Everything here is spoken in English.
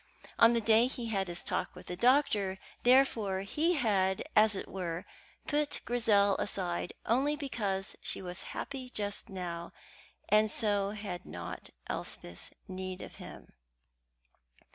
On the day he had his talk with the doctor, therefore, he had, as it were, put Grizel aside only because she was happy just now, and so had not Elspeth's need of him.